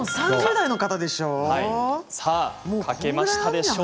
３０代の方でしょ？